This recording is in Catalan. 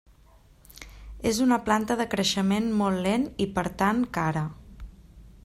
És una planta de creixement molt lent i per tant cara.